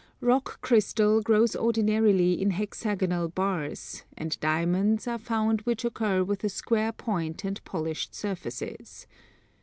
Rock Crystal grows ordinarily in hexagonal bars, and diamonds are found which occur with a square point and polished surfaces.